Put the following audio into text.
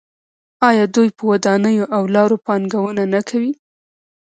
آیا دوی په ودانیو او لارو پانګونه نه کوي؟